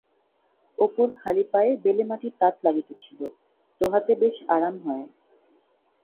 অপুর খালি পায়ে বেলেমাটির তাত লাগিতেছিল-তোহাতে বেশ আরাম হয়।